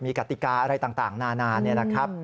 มีกติกาอะไรต่างนานานี่นะครับ